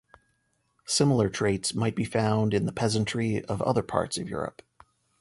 Similar traits might be found in the peasantry of other parts of Europe.